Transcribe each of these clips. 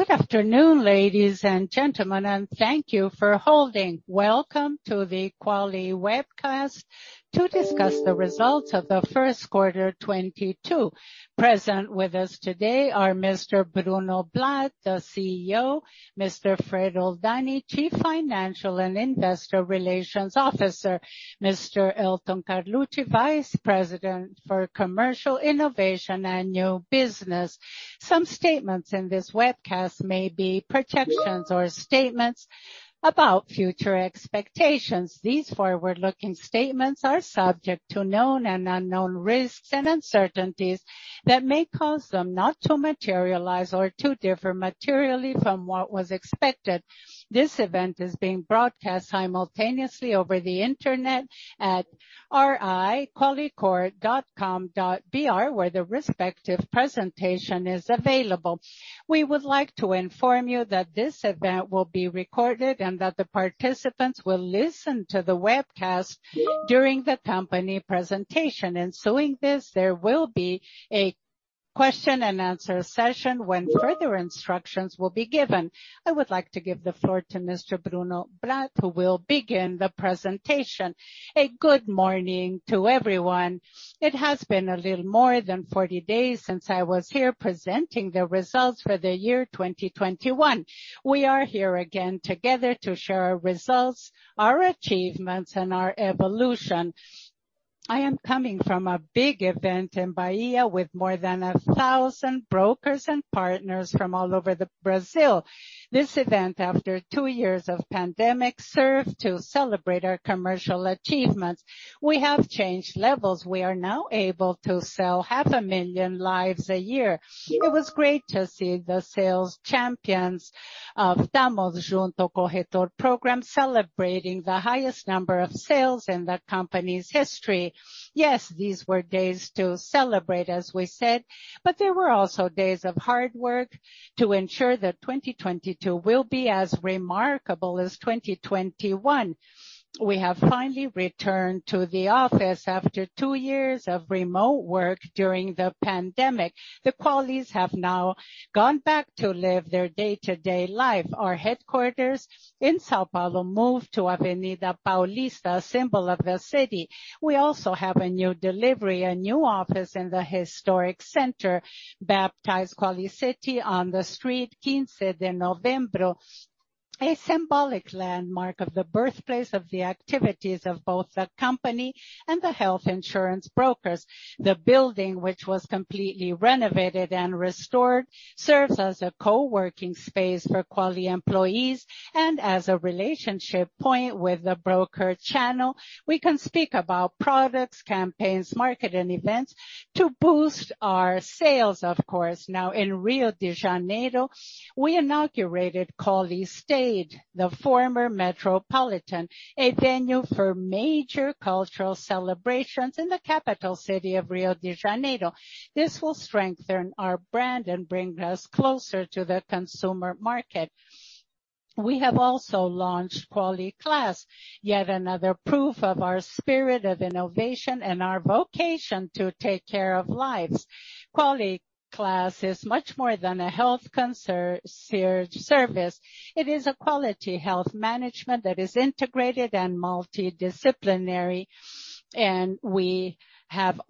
Good afternoon, ladies and gentlemen, and thank you for holding. Welcome to the Quali webcast to discuss the results of the first quarter 2022. Present with us today are Mr. Bruno Blatt, CEO, Mr. Fred Oldani, Chief Financial and Investor Relations Officer, Mr. Elton Carlucci, Vice President for Commercial Innovation and New Business. Some statements in this webcast may be projections or statements about future expectations. These forward-looking statements are subject to known and unknown risks and uncertainties that may cause them not to materialize or to differ materially from what was expected. This event is being broadcast simultaneously over the internet at ri.qualicorp.com.br, where the respective presentation is available. We would like to inform you that this event will be recorded and that the participants will listen to the webcast during the company presentation. Following this, there will be a question and answer session when further instructions will be given. I would like to give the floor to Mr. Bruno Blatt, who will begin the presentation. Good morning to everyone. It has been a little more than 40 days since I was here presenting the results for the year 2021. We are here again together to share our results, our achievements and our evolution. I am coming from a big event in Bahia with more than 1,000 brokers and partners from all over Brazil. This event, after two years of pandemic, served to celebrate our commercial achievements. We have changed levels. We are now able to sell half a million lives a year. It was great to see the sales champions of TamoJunto Corretor program celebrating the highest number of sales in the company's history. Yes, these were days to celebrate, as we said, but they were also days of hard work to ensure that 2022 will be as remarkable as 2021. We have finally returned to the office after two years of remote work during the pandemic. The Qualis have now gone back to live their day-to-day life. Our headquarters in São Paulo moved to Avenida Paulista, a symbol of the city. We also have a new delivery, a new office in the historic center, baptized Qualicity, on the street Quinze de Novembro, a symbolic landmark of the birthplace of the activities of both the company and the health insurance brokers. The building, which was completely renovated and restored, serves as a co-working space for Qualis employees and as a relationship point with the broker channel. We can speak about products, campaigns, marketing events to boost our sales, of course. Now, in Rio de Janeiro, we inaugurated Qualistage, the former Metropolitan, a venue for major cultural celebrations in the capital city of Rio de Janeiro. This will strengthen our brand and bring us closer to the consumer market. We have also launched Qualiclass, yet another proof of our spirit of innovation and our vocation to take care of lives. Qualiclass is much more than a health concierge service. It is a quality health management that is integrated and multidisciplinary, and we have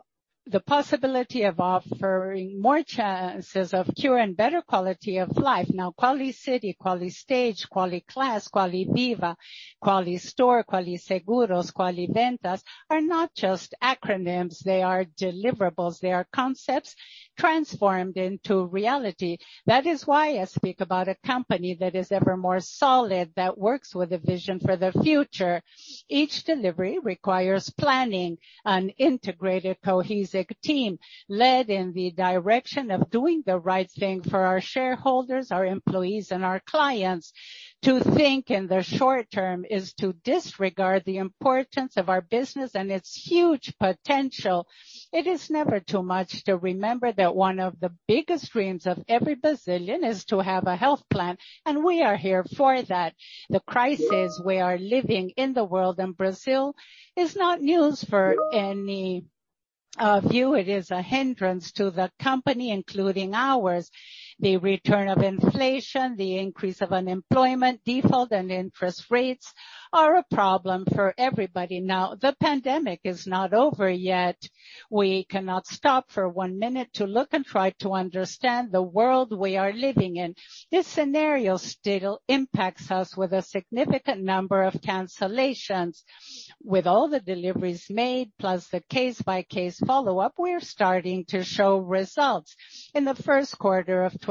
the possibility of offering more chances of cure and better quality of life. Now, Qualicity, Qualistage, Qualiclass, QualiViva, Qualistore, QualiSeguros, Qualivendas are not just acronyms. They are deliverables. They are concepts transformed into reality. That is why I speak about a company that is ever more solid, that works with a vision for the future. Each delivery requires planning, an integrated cohesive team led in the direction of doing the right thing for our shareholders, our employees and our clients. To think in the short term is to disregard the importance of our business and its huge potential. It is never too much to remember that one of the biggest dreams of every Brazilian is to have a health plan, and we are here for that. The crisis we are living in the world and Brazil is not news for any of you. It is a hindrance to the company, including ours. The return of inflation, the increase of unemployment, default and interest rates are a problem for everybody now. The pandemic is not over yet. We cannot stop for one minute to look and try to understand the world we are living in. This scenario still impacts us with a significant number of cancellations. With all the deliveries made, plus the case-by-case follow-up, we are starting to show results. In the first quarter of 2022,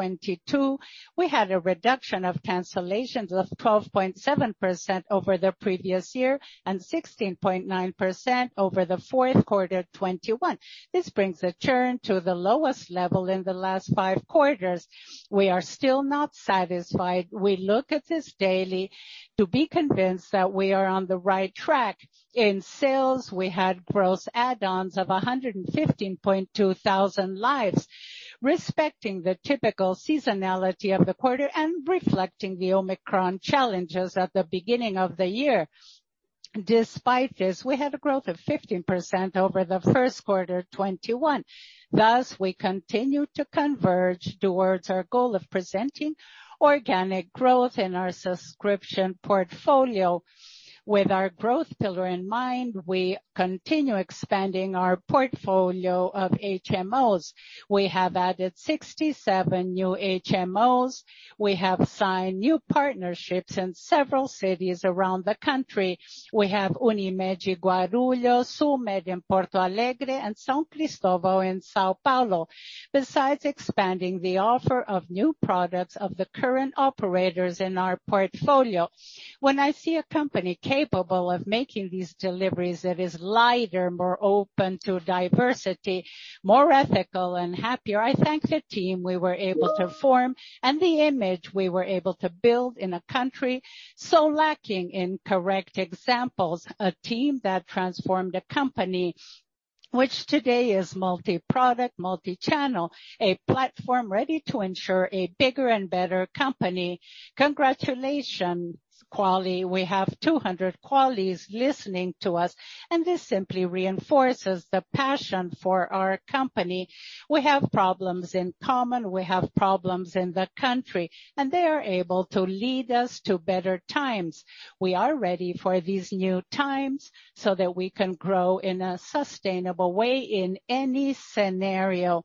we had a reduction of cancellations of 12.7% over the previous year and 16.9% over the fourth quarter 2021. This brings a turn to the lowest level in the last five quarters. We are still not satisfied. We look at this daily to be convinced that we are on the right track. In sales, we had gross add-ons of 115.2 thousand lives, respecting the typical seasonality of the quarter and reflecting the Omicron challenges at the beginning of the year. Despite this, we had a growth of 15% over the first quarter 2021. Thus, we continue to converge towards our goal of presenting organic growth in our subscription portfolio. With our growth pillar in mind, we continue expanding our portfolio of HMOs. We have added 67 new HMOs. We have signed new partnerships in several cities around the country. We have Unimed Guarulhos, Unimed in Porto Alegre, and São Cristóvão in São Paulo. Besides expanding the offer of new products of the current operators in our portfolio. When I see a company capable of making these deliveries that is lighter, more open to diversity, more ethical and happier, I thank the team we were able to form and the image we were able to build in a country so lacking in correct examples. A team that transformed a company which today is multi-product, multi-channel, a platform ready to ensure a bigger and better company. Congratulations, Qualis. We have 200 Qualis listening to us, and this simply reinforces the passion for our company. We have problems in common, we have problems in the country, and they are able to lead us to better times. We are ready for these new times so that we can grow in a sustainable way in any scenario.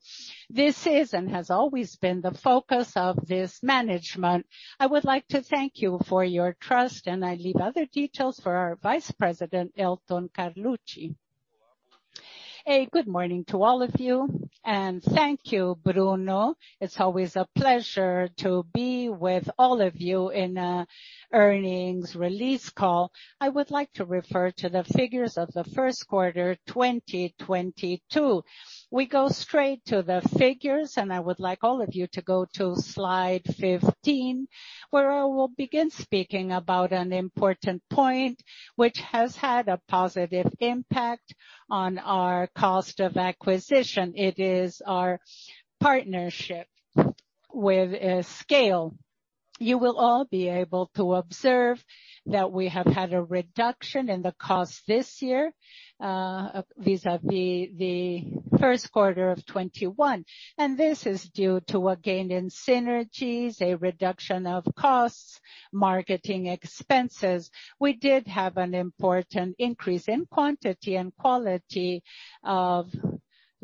This is and has always been the focus of this management. I would like to thank you for your trust, and I leave other details for our vice president, Elton Carluci. Good morning to all of you, and thank you, Bruno. It's always a pleasure to be with all of you in an earnings release call. I would like to refer to the figures of the first quarter 2022. We go straight to the figures, and I would like all of you to go to slide 15, where I will begin speaking about an important point which has had a positive impact on our cost of acquisition. It is our partnership with Escale. You will all be able to observe that we have had a reduction in the cost this year vis-à-vis the first quarter of 2021. This is due to a gain in synergies, a reduction of costs, marketing expenses. We did have an important increase in quantity and quality of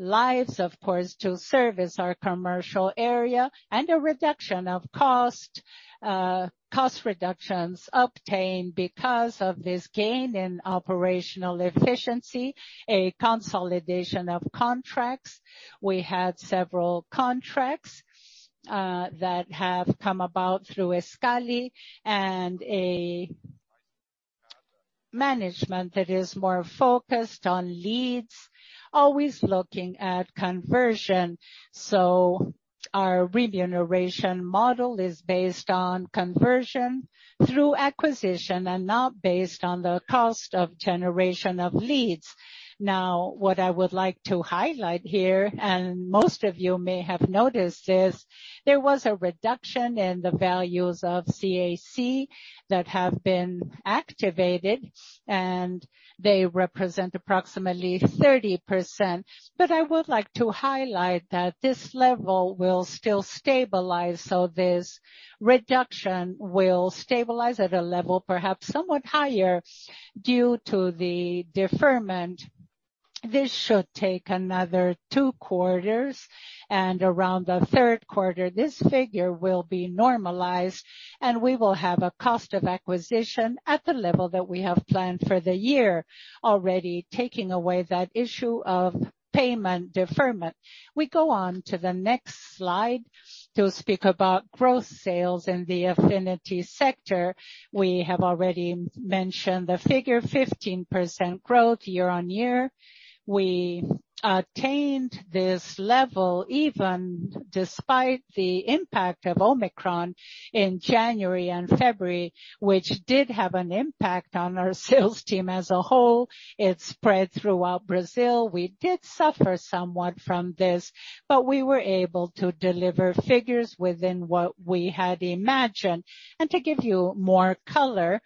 lives, of course, to service our commercial area and cost reductions obtained because of this gain in operational efficiency, a consolidation of contracts. We had several contracts that have come about through Escale and a management that is more focused on leads, always looking at conversion. Our remuneration model is based on conversion through acquisition and not based on the cost of generation of leads. What I would like to highlight here, and most of you may have noticed, is there was a reduction in the values of CAC that have been activated, and they represent approximately 30%. I would like to highlight that this level will still stabilize. This reduction will stabilize at a level perhaps somewhat higher due to the deferment. This should take another two quarters, and around the third quarter, this figure will be normalized, and we will have a cost of acquisition at the level that we have planned for the year, already taking away that issue of payment deferment. We go on to the next slide to speak about growth sales in the affinity sector. We have already mentioned the figure 15% growth year-on-year. We attained this level even despite the impact of Omicron in January and February, which did have an impact on our sales team as a whole. It spread throughout Brazil. We did suffer somewhat from this, but we were able to deliver figures within what we had imagined. To give you more color,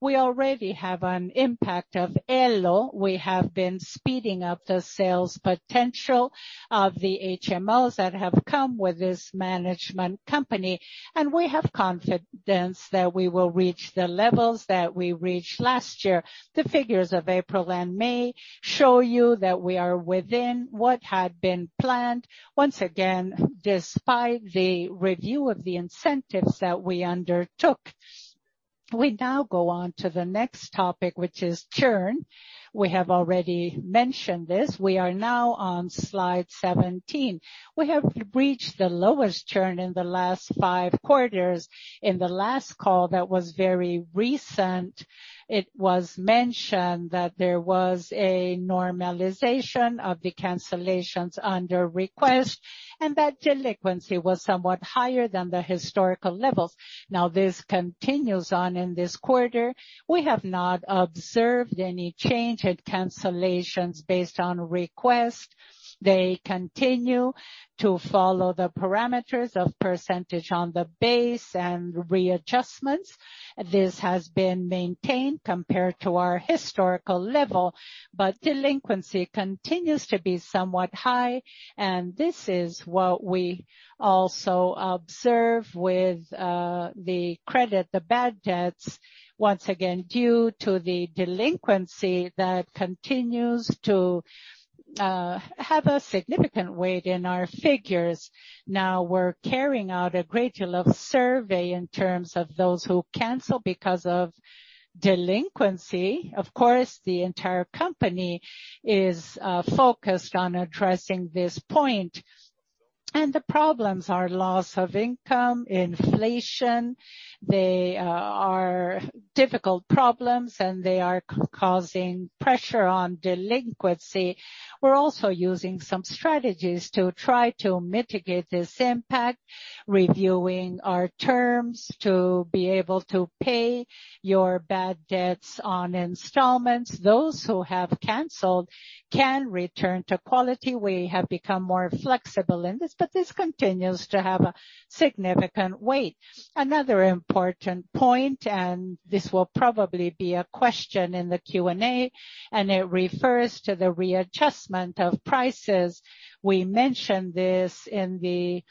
we already have an impact of Elo. We have been speeding up the sales potential of the HMOs that have come with this management company. We have confidence that we will reach the levels that we reached last year. The figures of April and May show you that we are within what had been planned. Once again, despite the review of the incentives that we undertook. We now go on to the next topic, which is churn. We have already mentioned this. We are now on slide 17. We have reached the lowest churn in the last five quarters. In the last call that was very recent, it was mentioned that there was a normalization of the cancellations under request, and that delinquency was somewhat higher than the historical levels. Now, this continues on in this quarter. We have not observed any change in cancellations based on request. They continue to follow the parameters of percentage on the base and readjustments. This has been maintained compared to our historical level, but delinquency continues to be somewhat high, and this is what we also observe with the credit, the bad debts, once again, due to the delinquency that continues to have a significant weight in our figures. Now, we're carrying out a great deal of survey in terms of those who cancel because of delinquency. Of course, the entire company is focused on addressing this point. Problems are loss of income, inflation. They are difficult problems, and they are causing pressure on delinquency. We're also using some strategies to try to mitigate this impact, reviewing our terms to be able to pay your bad debts on installments. Those who have canceled can return to quality. We have become more flexible in this, but this continues to have a significant weight. Another important point, and this will probably be a question in the Q&A, and it refers to the readjustment of prices. We mentioned this in the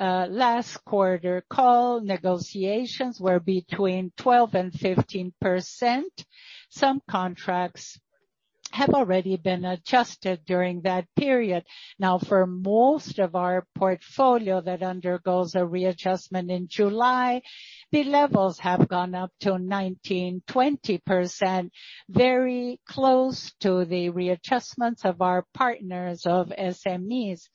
last quarter call. Negotiations were between 12%-15%. Some contracts have already been adjusted during that period. Now, for most of our portfolio that undergoes a readjustment in July, the levels have gone up to 19%-20%, very close to the readjustments of our partners of SMEs.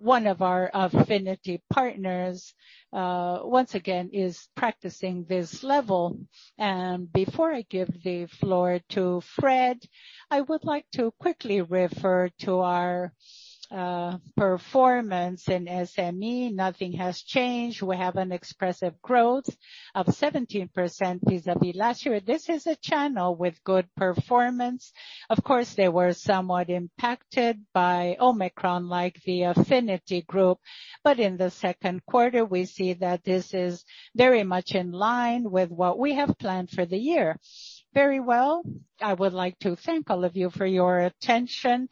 One of our Affinity partners, once again, is practicing this level. Before I give the floor to Fred, I would like to quickly refer to our, performance in SME. Nothing has changed. We have an expressive growth of 17% vis-à-vis last year. This is a channel with good performance. Of course, they were somewhat impacted by Omicron, like the Affinity group. In the second quarter, we see that this is very much in line with what we have planned for the year. Very well. I would like to thank all of you for your attention.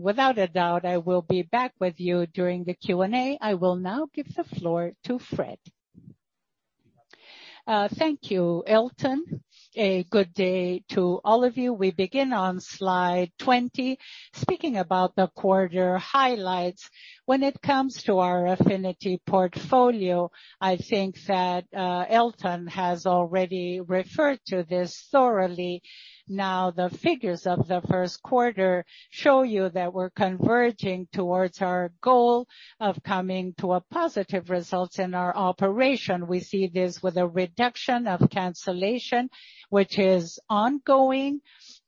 Without a doubt, I will be back with you during the Q&A. I will now give the floor to Fred. Thank you, Elton. A good day to all of you. We begin on slide 20. Speaking about the quarter highlights, when it comes to our Affinity portfolio, I think that, Elton has already referred to this thoroughly. Now, the figures of the first quarter show you that we're converging towards our goal of coming to a positive result in our operation. We see this with a reduction of cancellation, which is ongoing.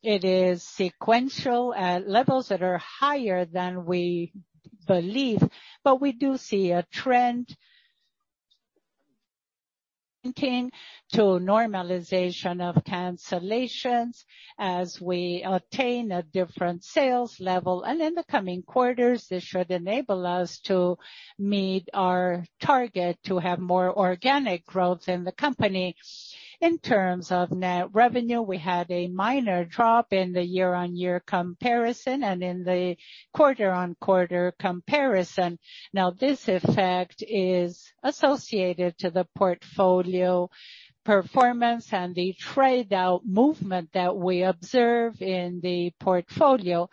It is sequential at levels that are higher than we believe. We do see a trend continuing to normalization of cancellations as we attain a different sales level. In the coming quarters, this should enable us to meet our target to have more organic growth in the company. In terms of net revenue, we had a minor drop in the year-on-year comparison and in the quarter-on-quarter comparison. Now, this effect is associated to the portfolio performance and the trade out movement that we observe in the portfolio.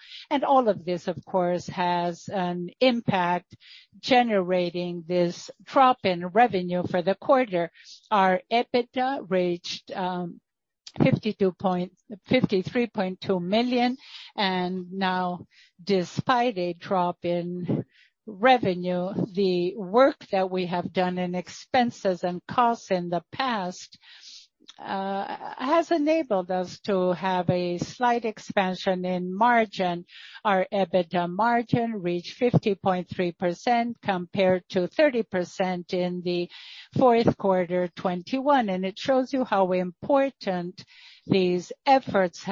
All of this, of course, has an impact generating this drop in revenue for the quarter. Our EBITDA reached 53.2 million. Now, despite a drop in revenue, the work that we have done in expenses and costs in the past has enabled us to have a slight expansion in margin. Our EBITDA margin reached 50.3% compared to 30% in the fourth quarter 2021. It shows you how important these efforts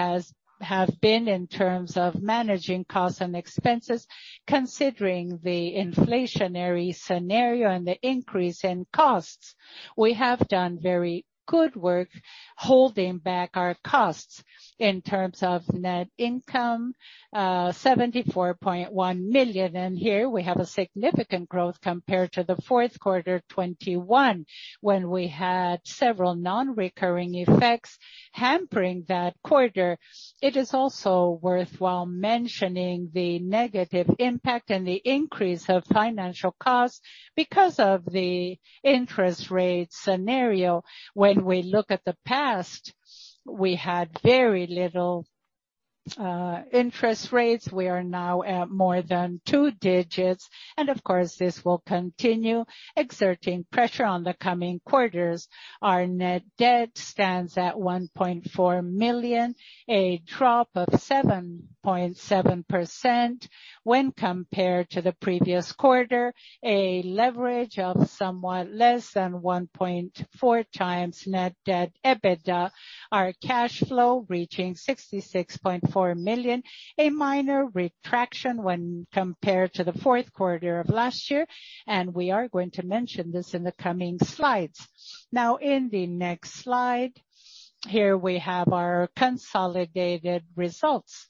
have been in terms of managing costs and expenses, considering the inflationary scenario and the increase in costs. We have done very good work holding back our costs. In terms of net income, 74.1 million, and here we have a significant growth compared to the fourth quarter 2021, when we had several non-recurring effects hampering that quarter. It is also worthwhile mentioning the negative impact and the increase of financial costs because of the interest rate scenario. When we look at the past, we had very low interest rates, we are now at more than two digits, and of course, this will continue exerting pressure on the coming quarters. Our net debt stands at 1.4 million, a drop of 7.7% when compared to the previous quarter. A leverage of somewhat less than 1.4x net debt EBITDA. Our cash flow reaching 66.4 million, a minor retraction when compared to the fourth quarter of last year, and we are going to mention this in the coming slides. Now in the next slide, here we have our consolidated results.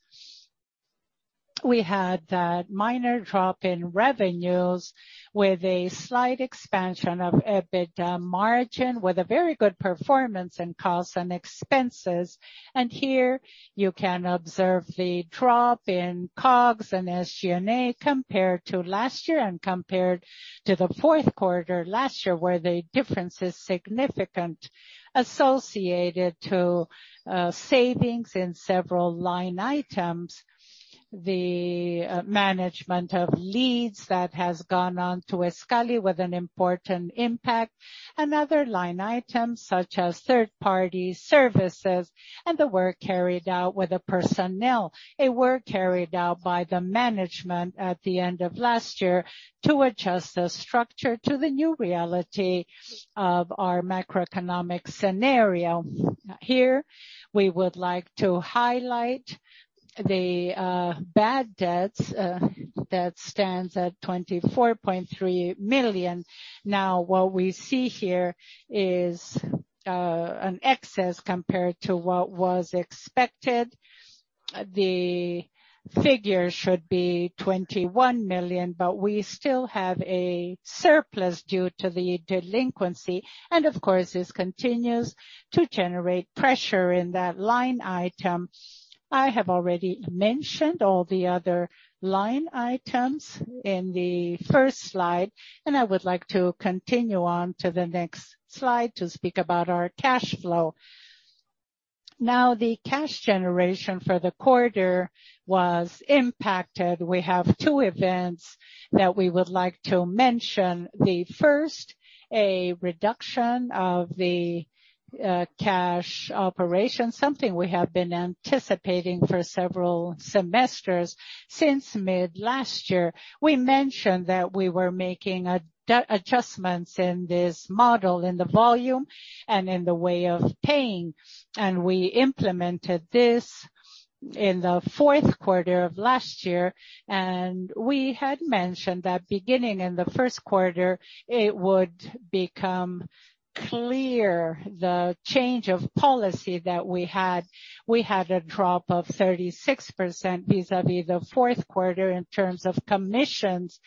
We had that minor drop in revenues with a slight expansion of EBITDA margin with a very good performance in costs and expenses. Here you can observe the drop in COGS and SG&A compared to last year and compared to the fourth quarter last year where the difference is significant associated to savings in several line items. The management of leads that has gone on to Escale with an important impact. Another line item such as third-party services and the work carried out with the personnel by the management at the end of last year to adjust the structure to the new reality of our macroeconomic scenario. Here, we would like to highlight the bad debts that stands at 24.3 million. Now, what we see here is an excess compared to what was expected. The figure should be 21 million but we still have a surplus due to the delinquency. Of course, this continues to generate pressure in that line item. I have already mentioned all the other line items in the first slide, and I would like to continue on to the next slide to speak about our cash flow. Now, the cash generation for the quarter was impacted. We have two events that we would like to mention. The first, a reduction of the cash operation, something we have been anticipating for several semesters since mid last year. We mentioned that we were making adjustments in this model in the volume and in the way of paying, and we implemented this in the fourth quarter of last year. We had mentioned that beginning in the first quarter it would become clear the change of policy that we had. We had a drop of 36% vis-à-vis the fourth quarter in terms of commissions,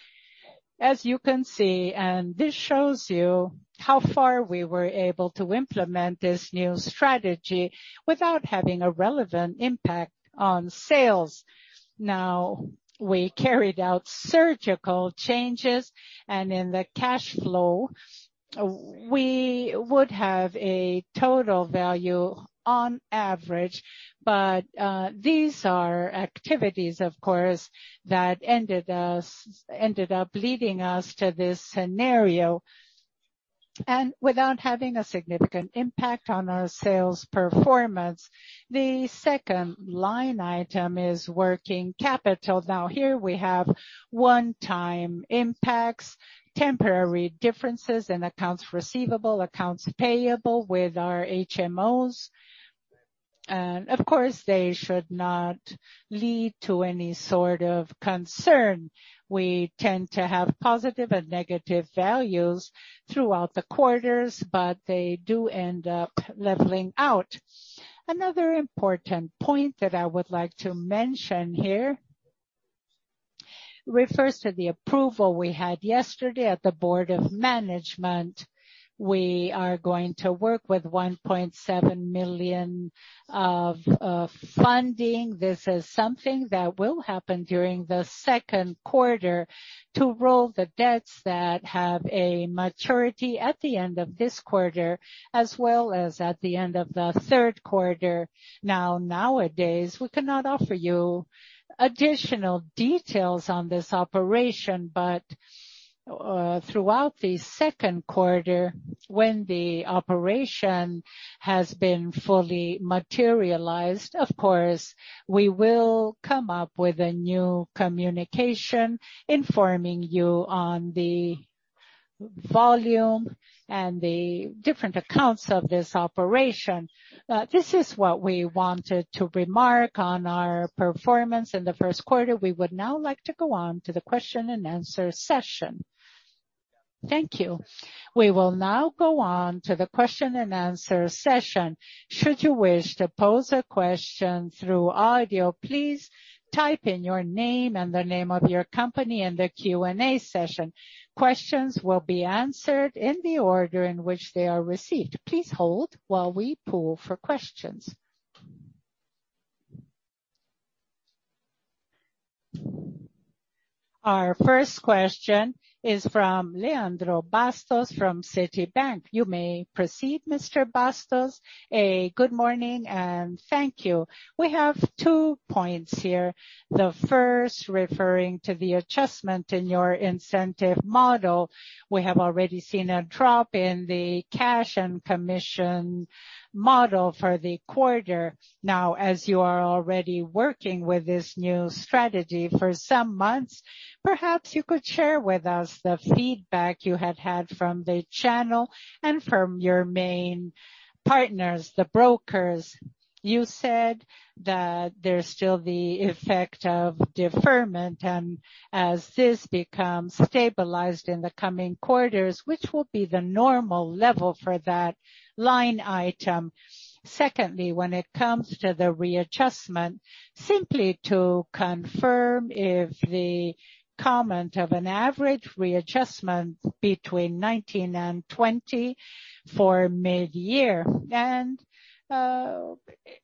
as you can see, and this shows you how far we were able to implement this new strategy without having a relevant impact on sales. Now, we carried out surgical changes, and in the cash flow, we would have a total value on average. But these are activities, of course, that ended up leading us to this scenario and without having a significant impact on our sales performance. The second line item is working capital. Now here we have one-time impacts, temporary differences in accounts receivable, accounts payable with our HMOs. Of course, they should not lead to any sort of concern. We tend to have positive and negative values throughout the quarters, but they do end up leveling out. Another important point that I would like to mention here refers to the approval we had yesterday at the board of management. We are going to work with 1.7 million of funding. This is something that will happen during the second quarter to roll the debts that have a maturity at the end of this quarter, as well as at the end of the third quarter. Now, nowadays, we cannot offer you additional details on this operation, but throughout the second quarter, when the operation has been fully materialized, of course we will come up with a new communication informing you on the volume and the different accounts of this operation. This is what we wanted to remark on our performance in the first quarter. We would now like to go on to the question and answer session. Thank you. We will now go on to the question and answer session. Should you wish to pose a question through audio, please type in your name and the name of your company in the Q&A session. Questions will be answered in the order in which they are received. Please hold while we poll for questions. Our first question is from Leandro Bastos from Citibank. You may proceed, Mr. Bastos. Good morning and thank you. We have two points here. The first referring to the adjustment in your incentive model. We have already seen a drop in the cash and commission model for the quarter. Now, as you are already working with this new strategy for some months, perhaps you could share with us the feedback you had had from the channel and from your main partners, the brokers. You said that there's still the effect of deferment. As this becomes stabilized in the coming quarters, which will be the normal level for that line item. Secondly, when it comes to the readjustment, simply to confirm if the comment of an average readjustment between 19%-20% for midyear.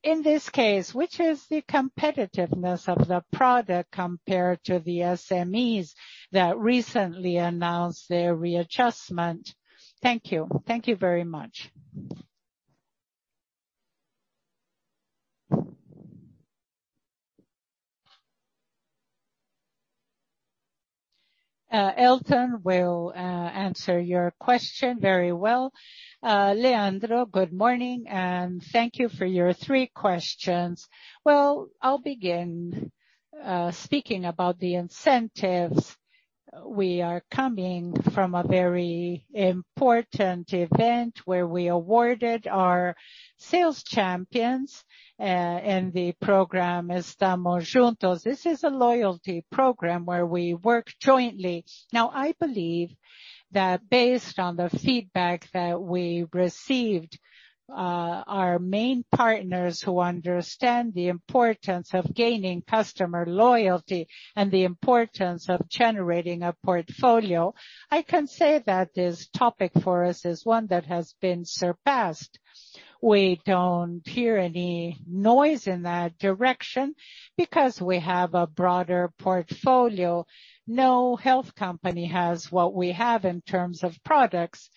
In this case, which is the competitiveness of the product compared to the SMEs that recently announced their readjustment. Thank you. Thank you very much. Elton will answer your question very well. Leandro, good morning, and thank you for your three questions. Well, I'll begin speaking about the incentives. We are coming from a very important event where we awarded our sales champions in the TamoJunto Corretor program. This is a loyalty program where we work jointly. Now, I believe that based on the feedback that we received, our main partners who understand the importance of gaining customer loyalty and the importance of generating a portfolio. I can say that this topic for us is one that has been surpassed. We don't hear any noise in that direction because we have a broader portfolio. No health company has what we have in terms of products.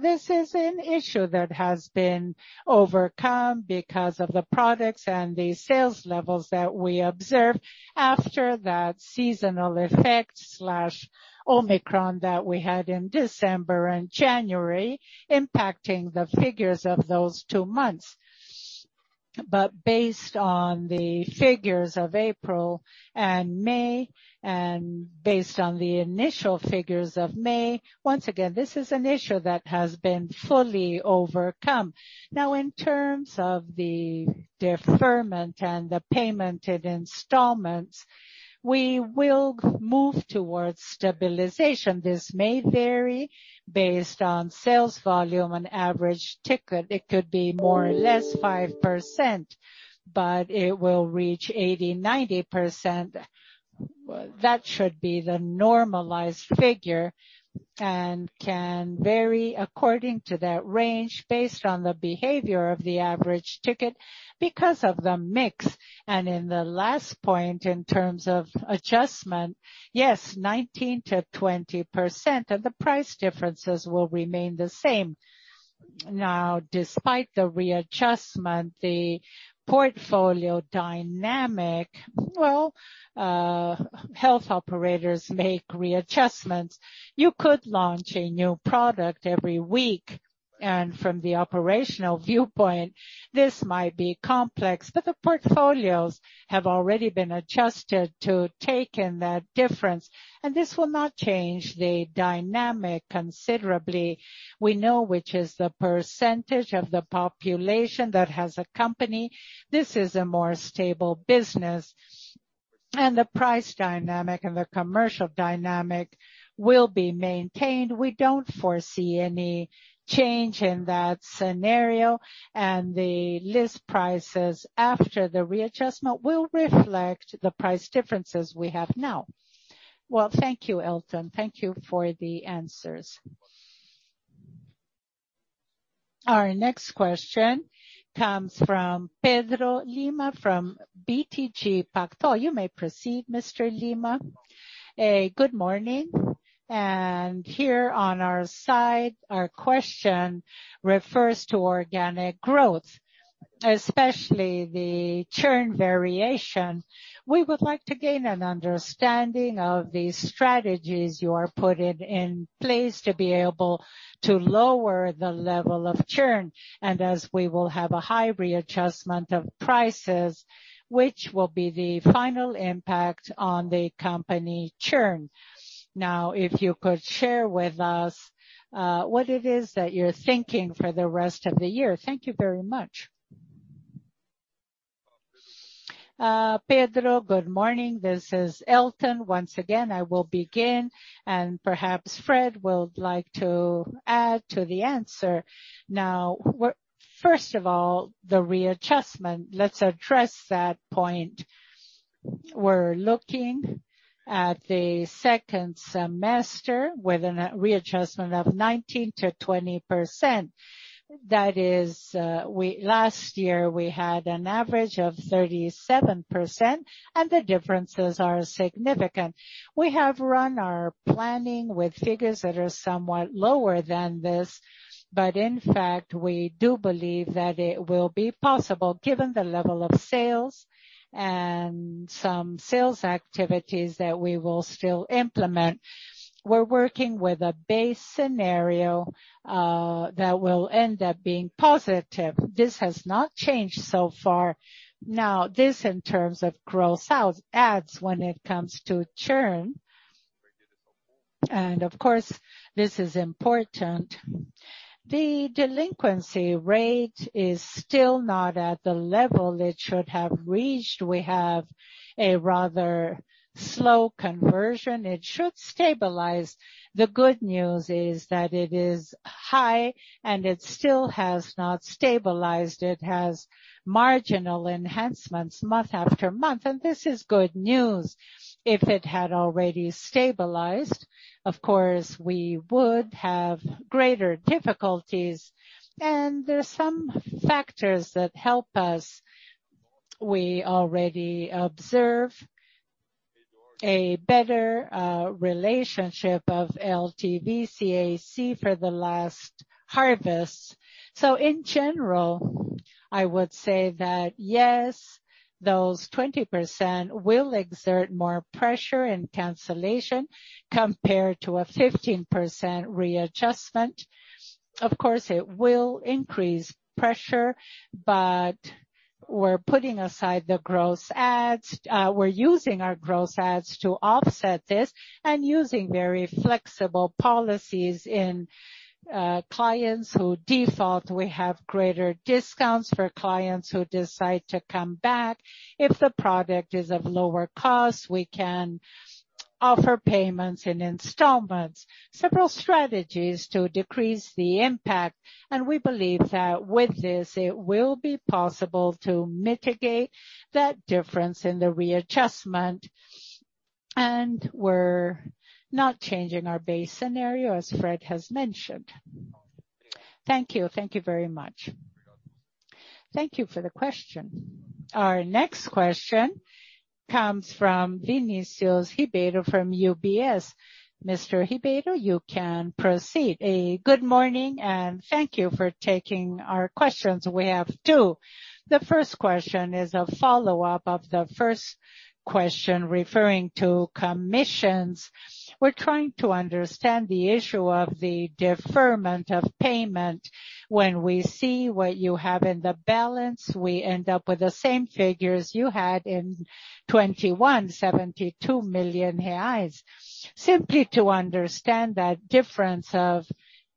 This is an issue that has been overcome because of the products and the sales levels that we observe after that seasonal effect, Omicron that we had in December and January impacting the figures of those two months. Based on the figures of April and May, and based on the initial figures of May, once again, this is an issue that has been fully overcome. Now, in terms of the deferment and the payment in installments, we will move towards stabilization. This may vary based on sales volume and average ticket. It could be more or less 5%, but it will reach 80%-90%. That should be the normalized figure and can vary according to that range based on the behavior of the average ticket because of the mix. In the last point, in terms of adjustment, yes, 19%-20%, and the price differences will remain the same. Now, despite the readjustment, the portfolio dynamic, health operators make readjustments. You could launch a new product every week. From the operational viewpoint, this might be complex. The portfolios have already been adjusted to take in that difference, and this will not change the dynamic considerably. We know which is the percentage of the population that has a company. This is a more stable business, and the price dynamic and the commercial dynamic will be maintained. We don't foresee any change in that scenario, and the list prices after the readjustment will reflect the price differences we have now. Well, thank you, Elton. Thank you for the answers. Our next question comes from Pedro Lima, from BTG Pactual. You may proceed, Mr. Lima. Good morning. Here on our side, our question refers to organic growth, especially the churn variation. We would like to gain an understanding of the strategies you are putting in place to be able to lower the level of churn. As we will have a high readjustment of prices, which will be the final impact on the company churn. Now, if you could share with us, what it is that you're thinking for the rest of the year. Thank you very much. Pedro, good morning. This is Elton. Once again, I will begin, and perhaps Fred would like to add to the answer. First of all, the readjustment. Let's address that point. We're looking at the second semester with a readjustment of 19%-20%. That is, last year we had an average of 37%, and the differences are significant. We have run our planning with figures that are somewhat lower than this, but in fact, we do believe that it will be possible given the level of sales and some sales activities that we will still implement. We're working with a base scenario that will end up being positive. This has not changed so far. Now, this in terms of gross out adds when it comes to churn. Of course, this is important. The delinquency rate is still not at the level it should have reached. We have a rather slow conversion. It should stabilize. The good news is that it is high and it still has not stabilized. It has marginal enhancements month after month, and this is good news. If it had already stabilized, of course, we would have greater difficulties. There's some factors that help us. We already observe a better relationship of LTV/CAC for the last harvest. In general, I would say that, yes, those 20% will exert more pressure and cancellation compared to a 15% readjustment. Of course, it will increase pressure, but we're putting aside the gross ads. We're using our gross adds to offset this and using very flexible policies in clients who default. We have greater discounts for clients who decide to come back. If the product is of lower cost, we can offer payments in installments. Several strategies to decrease the impact, and we believe that with this, it will be possible to mitigate that difference in the readjustment. We're not changing our base scenario, as Fred has mentioned. Thank you. Thank you very much. Thank you for the question. Our next question comes from Vinicius Ribeiro from UBS. Mr. Ribeiro, you can proceed. Good morning, and thank you for taking our questions. We have two. The first question is a follow-up of the first question referring to commissions. We're trying to understand the issue of the deferment of payment. When we see what you have in the balance, we end up with the same figures you had in 2021, 72 million reais. Simply to understand that difference of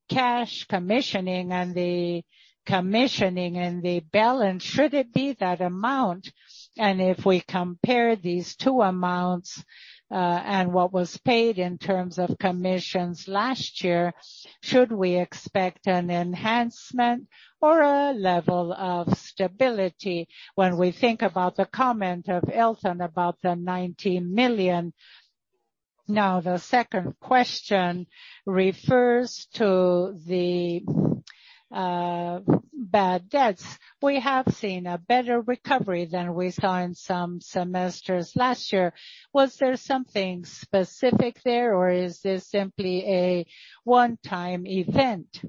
cash commissions and the commissions and the balance, should it be that amount? If we compare these two amounts, and what was paid in terms of commissions last year, should we expect an enhancement or a level of stability when we think about the comment of Elton about the 19 million? Now, the second question refers to the bad debts. We have seen a better recovery than we saw in some semesters last year. Was there something specific there, or is this simply a one-time event?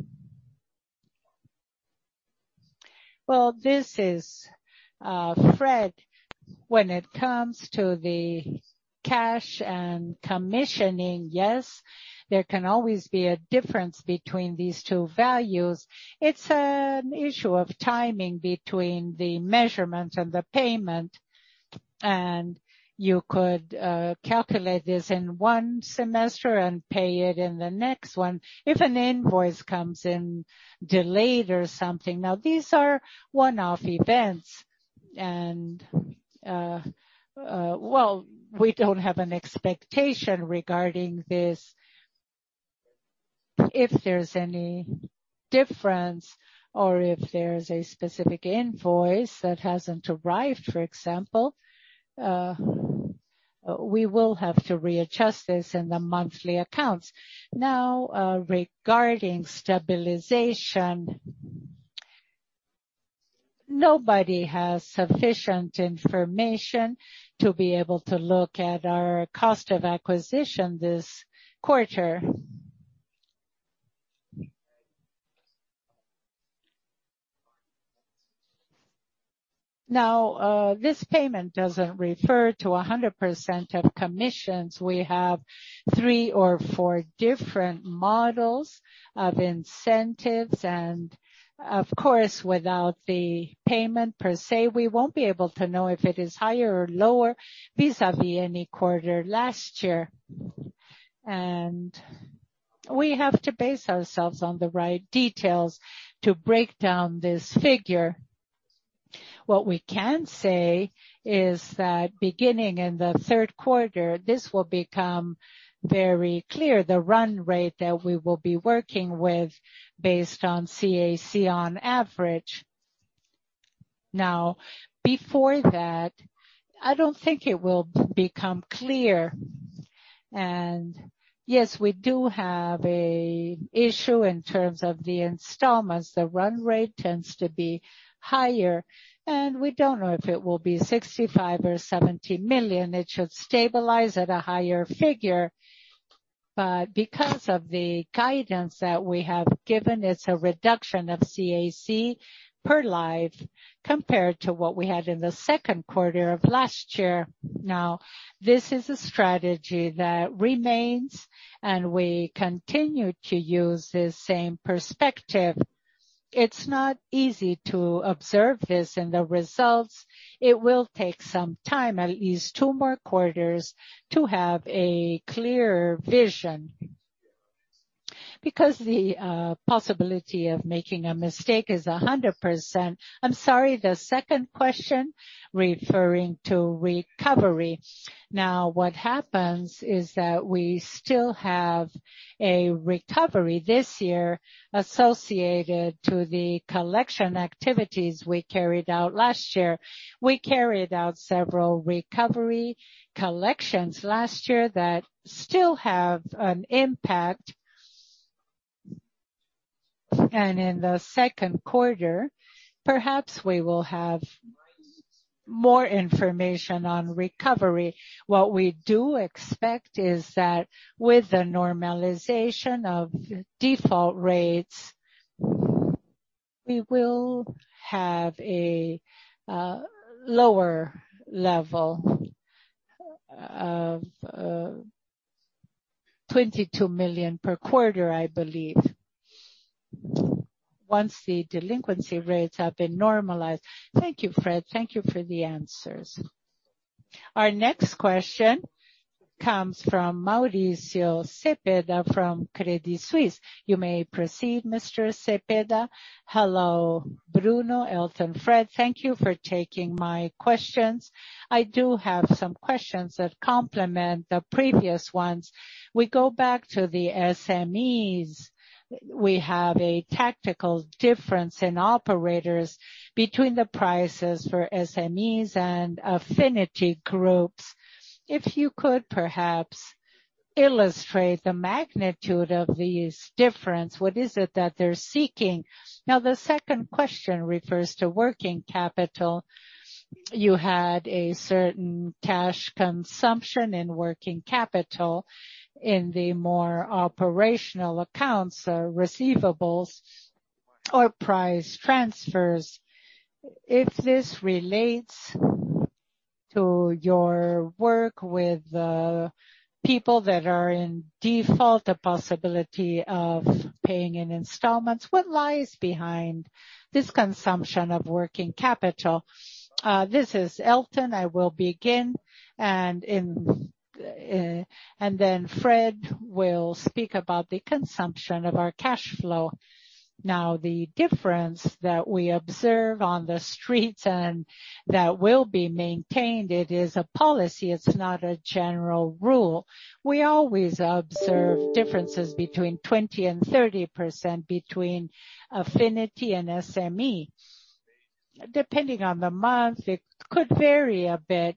Well, this is Fred. When it comes to the cash and commissions, yes, there can always be a difference between these two values. It's an issue of timing between the measurement and the payment, and you could calculate this in one semester and pay it in the next one. If an invoice comes in delayed or something. Now, these are one-off events and, well, we don't have an expectation regarding this. If there's any difference or if there's a specific invoice that hasn't arrived, for example, we will have to readjust this in the monthly accounts. Now, regarding stabilization, nobody has sufficient information to be able to look at our cost of acquisition this quarter. Now, this payment doesn't refer to 100% of commissions. We have three or four different models of incentives, and of course, without the payment per se, we won't be able to know if it is higher or lower vis-a-vis any quarter last year. We have to base ourselves on the right details to break down this figure. What we can say is that beginning in the third quarter, this will become very clear, the run rate that we will be working with based on CAC on average. Now before that, I don't think it will become clear. Yes, we do have an issue in terms of the installments. The run rate tends to be higher, and we don't know if it will be 65 million or 70 million. It should stabilize at a higher figure. Because of the guidance that we have given, it's a reduction of CAC per life compared to what we had in the second quarter of last year. Now this is a strategy that remains, and we continue to use the same perspective. It's not easy to observe this in the results. It will take some time, at least two more quarters, to have a clear vision. Because the possibility of making a mistake is 100%. I'm sorry, the second question referring to recovery. Now what happens is that we still have a recovery this year associated to the collection activities we carried out last year. We carried out several recovery collections last year that still have an impact. In the second quarter, perhaps we will have more information on recovery. What we do expect is that with the normalization of default rates, we will have a lower level of 22 million per quarter, I believe, once the delinquency rates have been normalized. Thank you, Fred. Thank you for the answers. Our next question comes from Mauricio Cepeda from Credit Suisse. You may proceed, Mr. Cepeda. Hello, Bruno, Elton, Fred. Thank you for taking my questions. I do have some questions that complement the previous ones. We go back to the SMEs. We have an actual difference between operators in the prices for SMEs and Affinity groups. If you could perhaps illustrate the magnitude of these differences, what is it that they're seeking? Now, the second question refers to working capital. You had a certain cash consumption in working capital in the more operational accounts, receivables or payables. If this relates to your work with people that are in default, the possibility of paying in installments, what lies behind this consumption of working capital? This is Elton. I will begin and then Fred will speak about the consumption of our cash flow. Now, the difference that we observe on the streets and that will be maintained, it is a policy, it's not a general rule. We always observe differences between 20% and 30% between Affinity and SME. Depending on the month, it could vary a bit.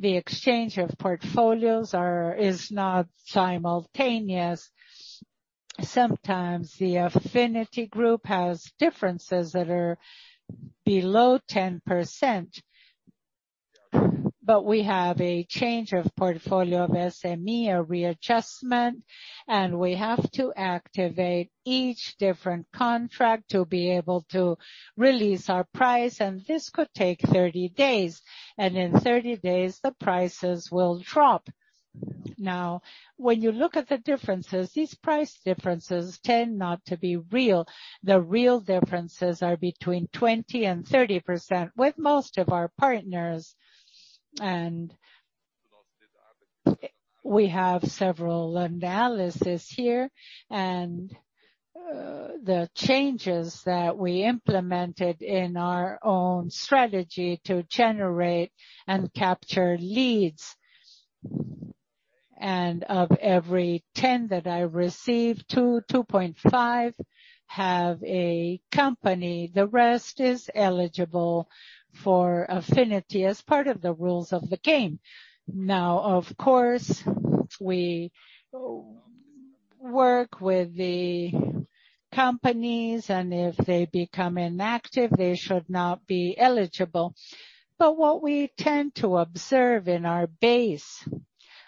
The exchange of portfolios is not simultaneous. Sometimes the Affinity group has differences that are below 10%, but we have a change of portfolio of SME, a readjustment, and we have to activate each different contract to be able to release our price, and this could take 30 days. In 30 days, the prices will drop. Now, when you look at the differences, these price differences tend not to be real. The real differences are between 20% and 30% with most of our partners. We have several analysis here. The changes that we implemented in our own strategy to generate and capture leads, and of every 10 that I receive, 2-2.5 have a company. The rest is eligible for Affinity as part of the rules of the game. Now, of course, we work with the companies, and if they become inactive, they should not be eligible. But what we tend to observe in our base,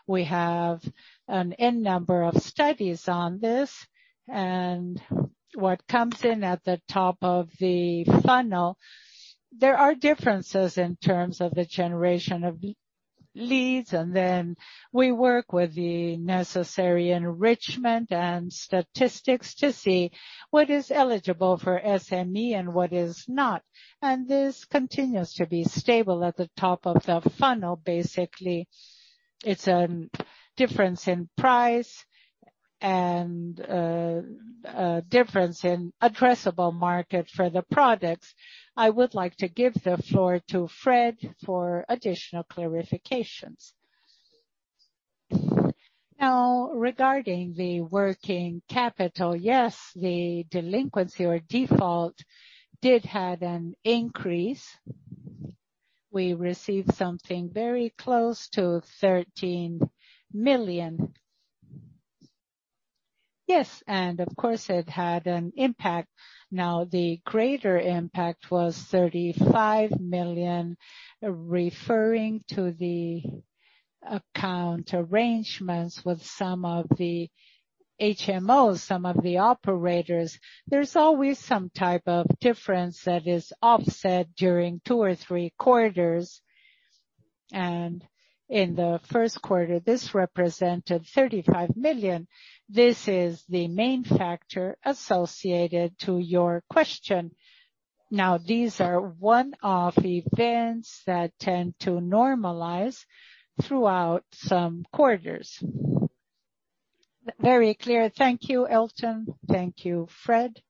we have an N number of studies on this and what comes in at the top of the funnel, there are differences in terms of the generation of leads, and then we work with the necessary enrichment and statistics to see what is eligible for SME and what is not. This continues to be stable at the top of the funnel. Basically, it's a difference in price and difference in addressable market for the products. I would like to give the floor to Fred for additional clarifications. Now, regarding the working capital, yes, the delinquency or default did have an increase. We received something very close to 13 million. Yes, and of course it had an impact. Now, the greater impact was 35 million, referring to the account arrangements with some of the HMOs, some of the operators. There's always some type of difference that is offset during two or three quarters. In the first quarter, this represented 35 million. This is the main factor associated to your question. Now, these are one-off events that tend to normalize throughout some quarters. Very clear. Thank you, Elton. Thank you, Fred.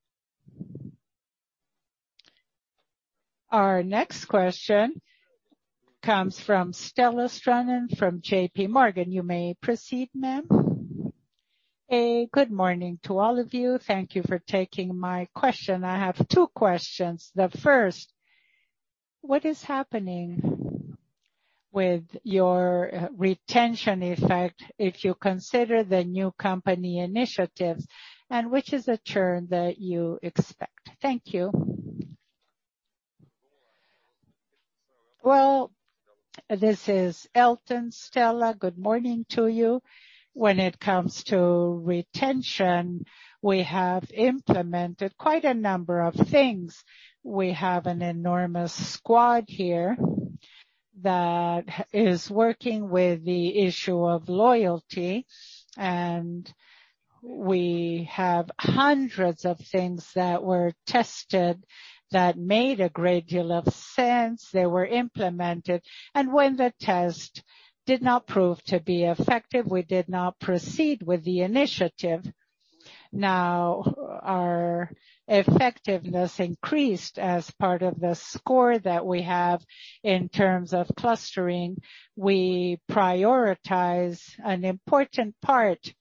Our next question comes from Stella Strunin from JPMorgan. You may proceed, ma'am. Hey, good morning to all of you. Thank you for taking my question. I have two questions. The first, what is happening with your, retention effect if you consider the new company initiatives, and which is the churn that you expect? Thank you. Well, this is Elton. Stella, good morning to you. When it comes to retention, we have implemented quite a number of things. We have an enormous squad here that is working with the issue of loyalty. We have hundreds of things that were tested that made a great deal of sense. They were implemented. When the test did not prove to be effective, we did not proceed with the initiative. Now, our effectiveness increased as part of the score that we have in terms of clustering. We prioritize an important part.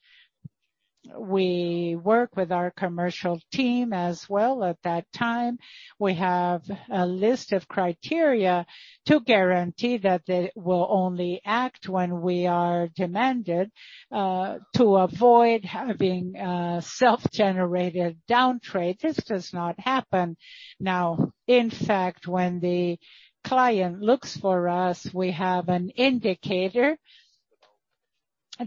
We work with our commercial team as well at that time. We have a list of criteria to guarantee that they will only act when we are demanded to avoid having self-generated downtrade. This does not happen. Now, in fact, when the client looks for us, we have an indicator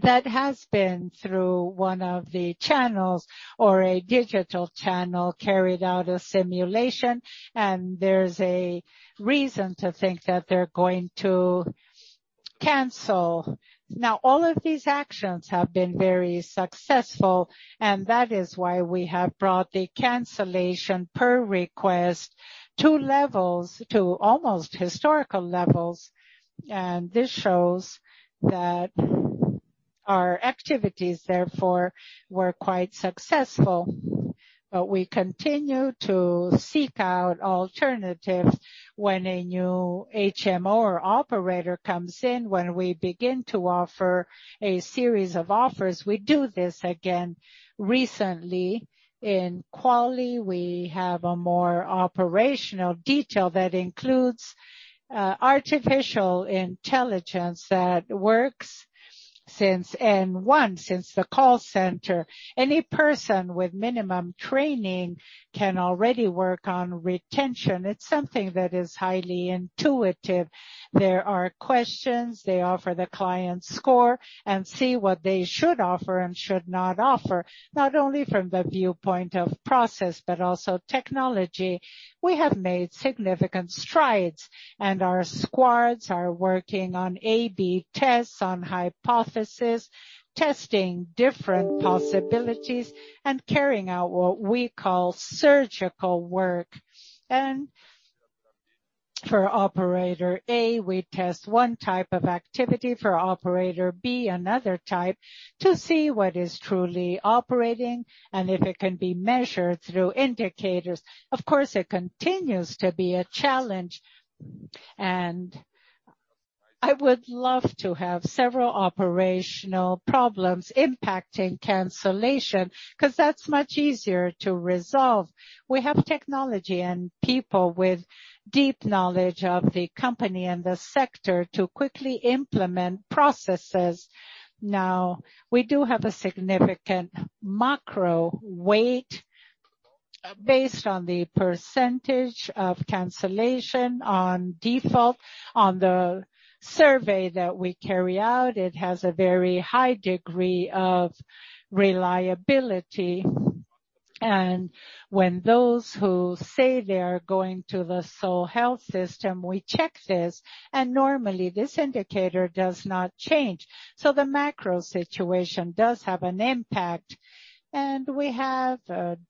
that has been through one of the channels or a digital channel, carried out a simulation, and there's a reason to think that they're going to cancel. Now, all of these actions have been very successful, and that is why we have brought the cancellation per request to almost historical levels. This shows that our activities therefore were quite successful. We continue to seek out alternatives when a new HMO or operator comes in, when we begin to offer a series of offers. We do this again recently. In Quali, we have a more operational detail that includes artificial intelligence that works since day one, since the call center. Any person with minimum training can already work on retention. It's something that is highly intuitive. There are questions. They offer the client's score and see what they should offer and should not offer, not only from the viewpoint of process, but also technology. We have made significant strides, and our squads are working on A/B tests, on hypothesis, testing different possibilities and carrying out what we call surgical work. For operator A, we test one type of activity, for operator B, another type, to see what is truly operating and if it can be measured through indicators. Of course, it continues to be a challenge. I would love to have several operational problems impacting cancellation, 'cause that's much easier to resolve. We have technology and people with deep knowledge of the company and the sector to quickly implement processes. Now, we do have a significant macro weight based on the percentage of cancellation, on default, on the survey that we carry out. It has a very high degree of reliability. When those who say they are going to the SUS, we check this, and normally this indicator does not change. The macro situation does have an impact. We have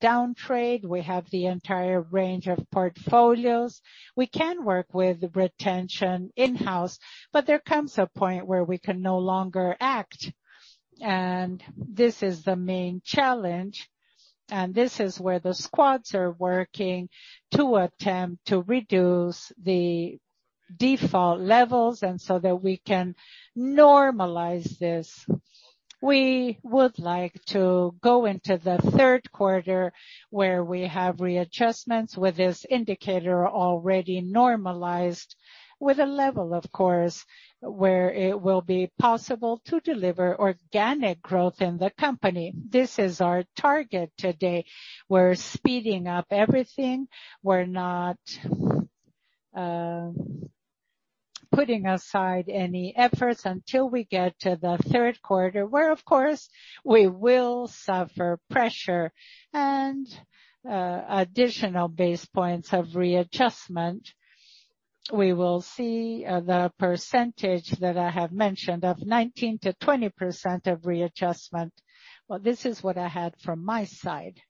downtrade. We have the entire range of portfolios. We can work with retention in-house, but there comes a point where we can no longer act. This is the main challenge, and this is where the squads are working to attempt to reduce the default levels and so that we can normalize this. We would like to go into the third quarter, where we have readjustments with this indicator already normalized with a level, of course, where it will be possible to deliver organic growth in the company. This is our target today. We're speeding up everything. We're not putting aside any efforts until we get to the third quarter, where, of course, we will suffer pressure and additional basis points of readjustment. We will see the percentage that I have mentioned of 19%-20% of readjustment. Well, this is what I had from my side.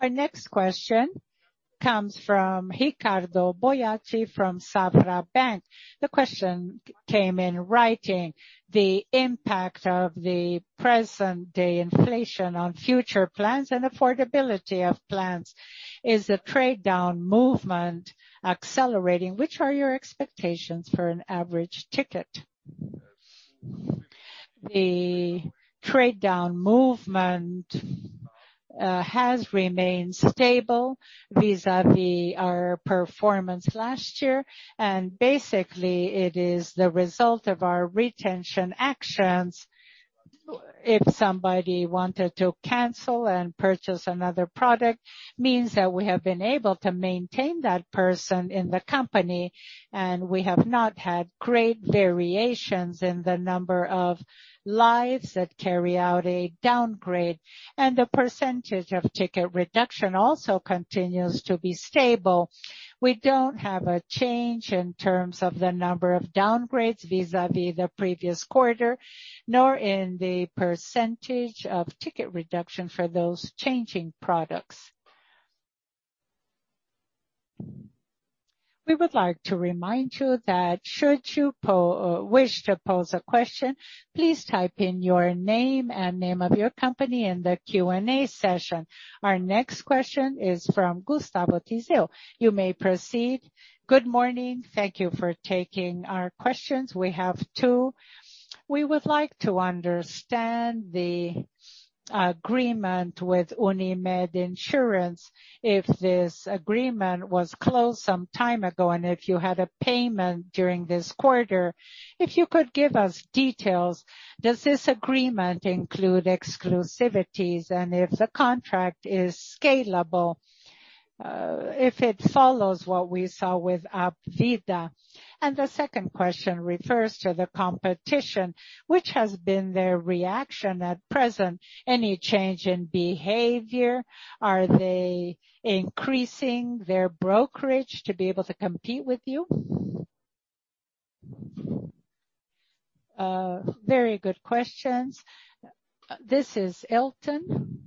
Our next question comes from Ricardo Boiati from Banco Safra. The question came in writing. The impact of the present-day inflation on future plans and affordability of plans, is the trade-down movement accelerating? Which are your expectations for an average ticket? The trade-down movement has remained stable vis-à-vis our performance last year. Basically, it is the result of our retention actions. If somebody wanted to cancel and purchase another product, means that we have been able to maintain that person in the company, and we have not had great variations in the number of lives that carry out a downgrade. The percentage of ticket reduction also continues to be stable. We don't have a change in terms of the number of downgrades vis-à-vis the previous quarter, nor in the percentage of ticket reduction for those changing products. We would like to remind you that should you wish to pose a question, please type in your name and name of your company in the Q&A session. Our next question is from Gustavo Tiseo. You may proceed. Good morning. Thank you for taking our questions. We have two. We would like to understand the agreement with Unimed Insurance, if this agreement was closed some time ago, and if you had a payment during this quarter. If you could give us details, does this agreement include exclusivities? If the contract is scalable, if it follows what we saw with Hapvida. The second question refers to the competition, which has been their reaction at present. Any change in behavior? Are they increasing their brokerage to be able to compete with you? Very good questions. This is Elton.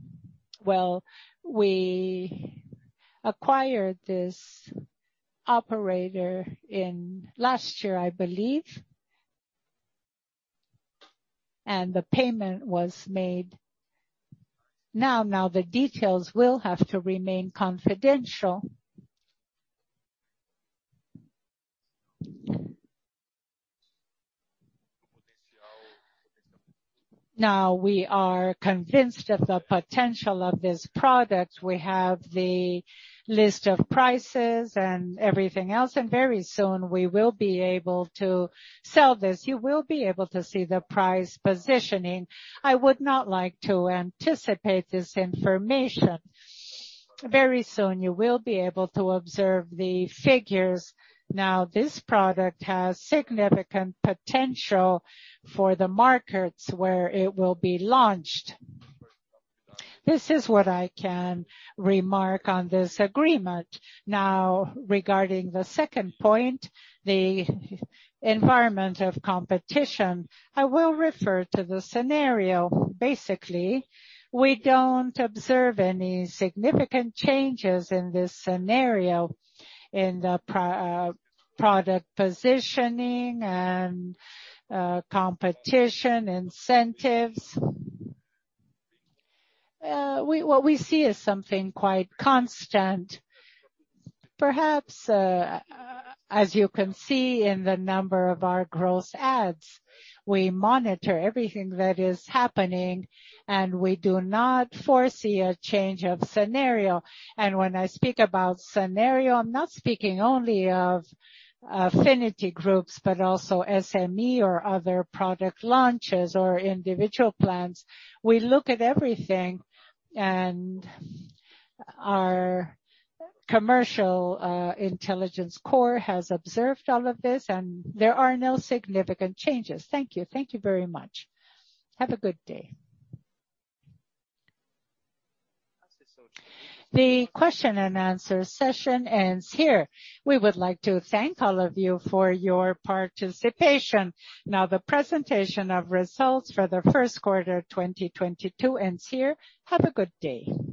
Well, we acquired this operator in last year, I believe. The payment was made. Now, the details will have to remain confidential. Now, we are convinced of the potential of this product. We have the list of prices and everything else, and very soon we will be able to sell this. You will be able to see the price positioning. I would not like to anticipate this information. Very soon, you will be able to observe the figures. Now, this product has significant potential for the markets where it will be launched. This is what I can remark on this agreement. Now, regarding the second point, the environment of competition, I will refer to the scenario. Basically, we don't observe any significant changes in this scenario in the product positioning and competition incentives. What we see is something quite constant. Perhaps, as you can see in the number of our gross adds, we monitor everything that is happening, and we do not foresee a change of scenario. When I speak about scenario, I'm not speaking only of affinity groups, but also SME or other product launches or individual plans. We look at everything, and our commercial intelligence corps has observed all of this, and there are no significant changes. Thank you. Thank you very much. Have a good day. The question and answer session ends here. We would like to thank all of you for your participation. Now, the presentation of results for the first quarter of 2022 ends here. Have a good day.